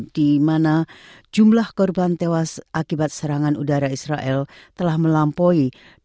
di mana jumlah korban tewas akibat serangan udara israel telah melampaui